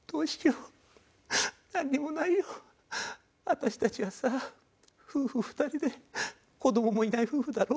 私たちはさ夫婦二人で子どももいない夫婦だろ。